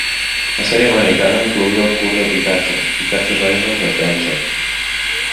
La sèrie americana incloïa el curt de Pikachu "Pikachu's Island Adventure".